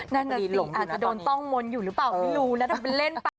นั่นน่ะสิอาจจะโดนต้องมนต์อยู่หรือเปล่าไม่รู้นะถ้าเป็นเล่นไป